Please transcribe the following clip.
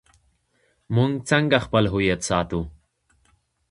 موږ څنګه خپل هویت ساتو؟